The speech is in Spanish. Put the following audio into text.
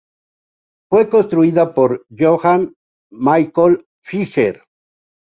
Fue construida por Johann Michael Fischer.